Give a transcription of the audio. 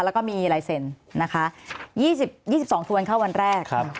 แล้วก็มีลายเซ็นต์นะคะยี่สิบยี่สิบสองมิถุนเข้าวันแรกครับ